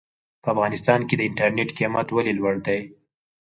په افغانستان کې د انټرنېټ قيمت ولې لوړ دی ؟